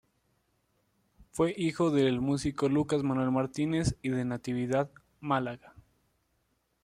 Fue hijo del músico Lucas Manuel Martínez y de Natividad Málaga.